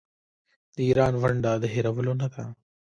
د ایران ونډه د هیرولو نه ده.